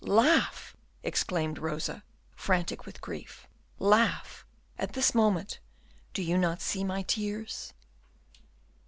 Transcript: "Laugh," exclaimed Rosa, frantic with grief, "laugh at this moment! do you not see my tears?"